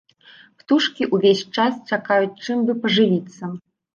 Птушкі ўвесь час чакаюць, чым бы пажывіцца.